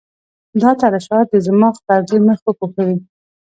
دا ترشحات د صماخ پردې مخ وپوښي.